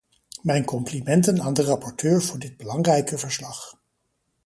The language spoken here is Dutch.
Mijn complimenten aan de rapporteur voor dit belangrijke verslag.